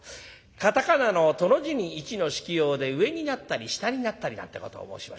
「カタカナのトの字に一の引きようで上になったり下になったり」なんてことを申しましてね。